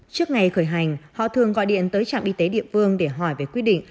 trước ngày khởi hành họ thường gọi điện tới trạm y tế địa phương để hỏi về quy định